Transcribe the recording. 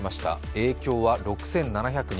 影響は６７００人。